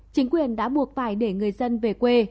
chính quyền đã buộc phải để người dân về quê